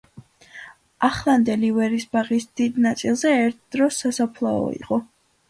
ახლანდელი ვერის ბაღის დიდ ნაწილზე ერთ დროს სასაფლაო იყო.